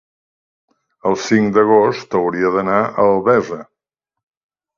el cinc d'agost hauria d'anar a Albesa.